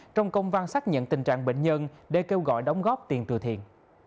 trong công văn xác nhận tình trạng bệnh nhân để kêu gọi đóng góp tiền từ thiện